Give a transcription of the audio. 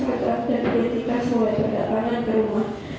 keterap dan berhenti pas mulai berdatangan ke rumah